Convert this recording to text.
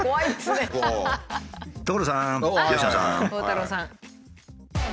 鋼太郎さん。